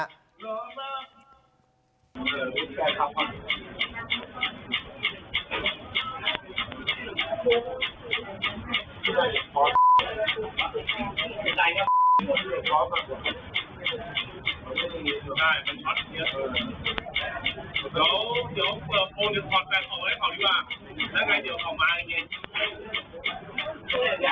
เดี๋ยวโปรดแปลงของเขาดีกว่า